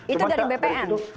itu dari bpn